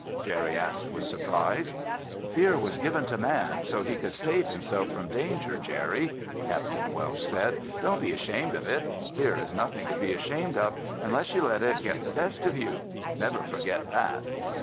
Jerry asked with surprise. "Fear was given to man, so he could save himself from danger, Jerry," Capt. Welsh said. "Don't be ashamed of it. Fear is nothing to be ashamed of unless you let it get the best of you. Never forget that."